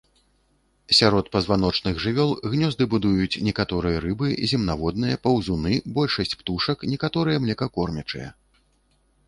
Сярод пазваночных жывёл гнёзды будуюць некаторыя рыбы, земнаводныя, паўзуны, большасць птушак, некаторыя млекакормячыя.